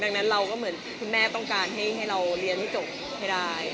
ดังนั้นเราก็เหมือนคุณแม่ต้องการให้เราเรียนให้จบให้ได้